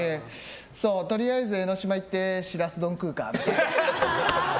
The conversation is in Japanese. とりあえず江ノ島行ってシラス丼食うかみたいな。